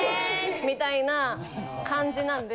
みたいな感じなんで。